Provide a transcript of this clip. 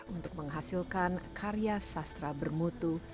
untuk menghasilkan karya sastra bermutu